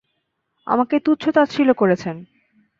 আমাকে তুচ্ছতাচ্ছিল্য করেছেন।